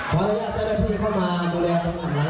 เยี่ยมมาก